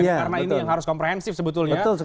karena ini yang harus komprehensif sebetulnya